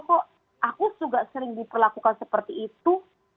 kok aku juga sering diperlakukan seperti itu